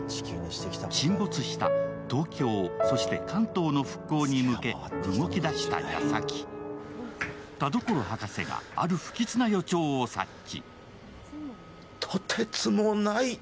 沈没した東京、そして関東の復興に向け動き出した矢先、田所博士が、ある不吉な予兆を察知